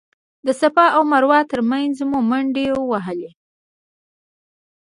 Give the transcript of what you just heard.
د صفا او مروه تر مینځ مو منډې ووهلې.